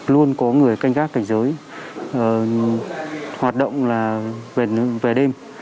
luôn có người canh gác cảnh giới hoạt động là về đêm